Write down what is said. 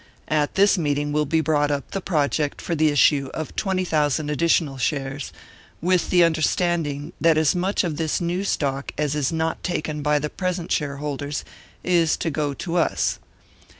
At this meeting will be brought up the project for the issue of twenty thousand additional shares, with the understanding that as much of this new stock as is not taken by the present shareholders is to go to us.